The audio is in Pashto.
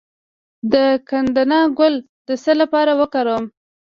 د ګندنه ګل د څه لپاره وکاروم؟